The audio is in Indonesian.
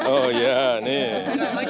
oh ya nih